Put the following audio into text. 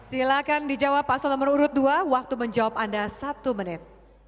silahkan dijawab paslon nomor urut dua waktu menjawab anda satu menit